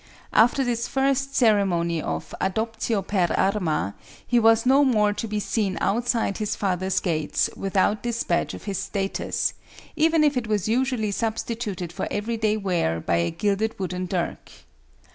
After this first ceremony of adoptio per arma, he was no more to be seen outside his father's gates without this badge of his status, even if it was usually substituted for every day wear by a gilded wooden dirk.